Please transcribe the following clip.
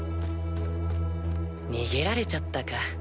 逃げられちゃったか。